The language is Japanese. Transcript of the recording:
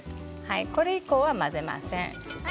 これ以降は混ぜません。